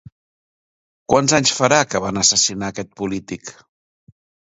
Quants anys farà que van assassinar aquest polític?